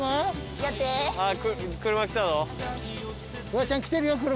フワちゃん。来てるよ車。